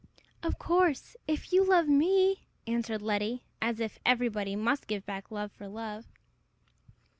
"Of course, if you love me," answered Letty, as if everybody must give back love for love.